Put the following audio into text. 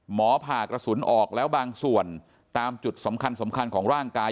ผ่ากระสุนออกแล้วบางส่วนตามจุดสำคัญสำคัญของร่างกาย